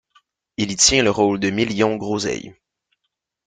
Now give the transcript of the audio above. Il y tient le rôle de Million Groseille.